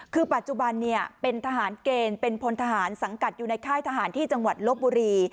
คือปัจจุบันเป็นทหารเกณฑ์เป็นพลทหารสังกัดอยู่ในค่ายทหารที่จังหวัดลบบุรี